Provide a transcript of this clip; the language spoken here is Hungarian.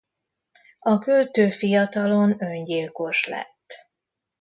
A költő fiatalon öngyilkos lett.